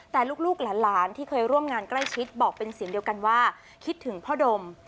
แต่ลูกหลานที่เคยร่วมงานใกล้ชิดบอกเป็นเสียงเดียวกันว่าคิดถึงพ่อดม